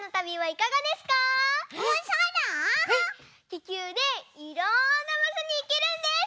ききゅうでいろんなばしょにいけるんです！